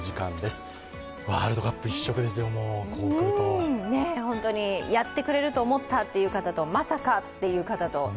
ワールドカップ一色ですよ、もう本当にやってくれると思ったという方とまさかという方と。